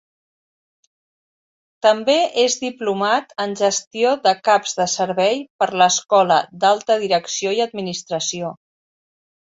També és diplomat en gestió de caps de servei per l'Escola d'Alta Direcció i Administració.